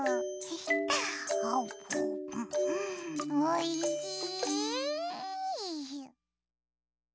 おいしい！